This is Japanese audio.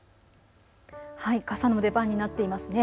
傘の出番になっていますね。